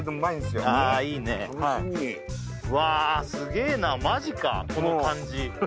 すげえなマジかこの感じ